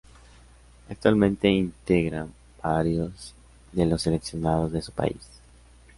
Actualmente integra varios de los seleccionados de su país.